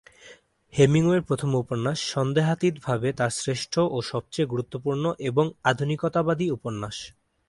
হেমিংওয়ের প্রথম উপন্যাস সন্দেহাতীতভাবে তাঁর শ্রেষ্ঠ ও সবচেয়ে গুরুত্বপূর্ণ এবং আধুনিকতাবাদী উপন্যাস।